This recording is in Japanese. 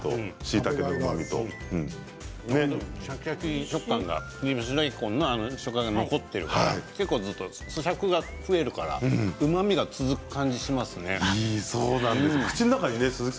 シャキシャキ食感が切り干し大根の食感が残っているからそしゃくが増えるからうまみが続く感じがしますね。